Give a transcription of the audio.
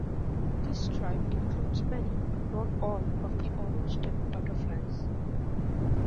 This tribe includes many, but not all, of the orangetip butterflies.